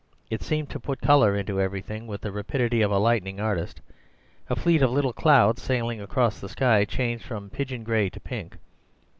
It seemed to put colour into everything, with the rapidity of a lightning artist. A fleet of little clouds sailing across the sky changed from pigeon gray to pink.